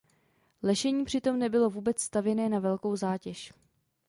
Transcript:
Lešení přitom nebylo vůbec stavěné na velkou zátěž.